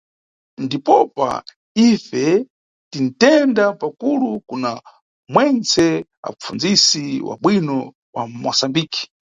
Ndipopa ife tinʼtenda pakulu kuna mwentse apfundzisi wabwino wa mʼMosambiki.